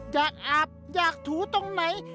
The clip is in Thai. อยากอาบอยากถูตรงไหน